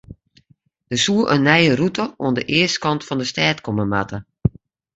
Der soe in nije rûte oan de eastkant fan de stêd komme moatte.